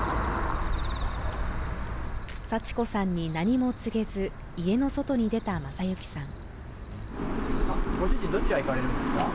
佐智子さんに何も告げず家の外に出た正行さん